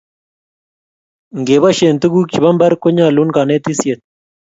ngebaishen tuguk chebo mbar konyalun kanetishiet